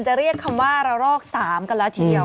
จะเรียกคำว่ารองสามก็แล้วแไป